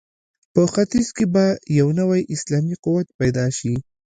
په ختیځ کې به یو نوی اسلامي قوت پیدا شي.